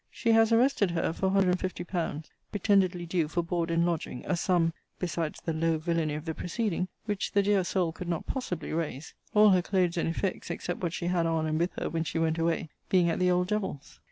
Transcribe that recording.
She has arrested her for 150£. pretendedly due for board and lodging: a sum (besides the low villany of the proceeding) which the dear soul could not possibly raise: all her clothes and effects, except what she had on and with her when she went away, being at the old devil's.